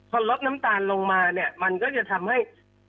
พอลดน้ำตาลลงมาเนี่ยมันก็จะทำให้